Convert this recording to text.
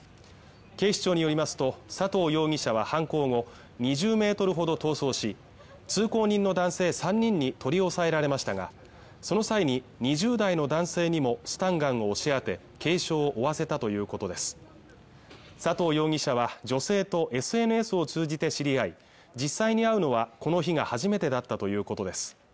警視庁によりますと佐藤容疑者は犯行後２０ｍほど逃走し通行人の男性３人に取り押さえられましたがその際に２０代の男性にもスタンガンを押し当て軽傷を負わせたということです佐藤容疑者は女性とＳＮＳを通じて知り合い実際に会うのはこの日が初めてだったということです